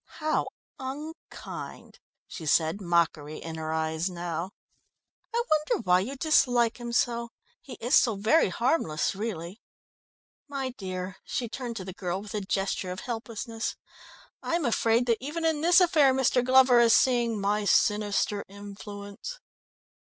"How unkind!" she said, mockery in her eyes now. "I wonder why you dislike him so. He is so very harmless, really. My dear," she turned to the girl with a gesture of helplessness. "I am afraid that even in this affair Mr. Glover is seeing my sinister influence!"